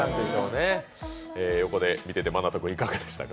横で見ててＭＡＮＡＴＯ君、いかがでしたか。